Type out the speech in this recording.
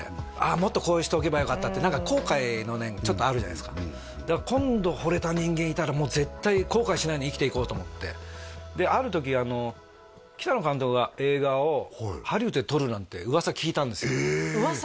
もっとこうしておけばよかったって何か後悔の念ちょっとあるじゃないですか今度ほれた人間いたら絶対後悔しないように生きていこうと思ってである時なんて噂聞いたんですよ噂？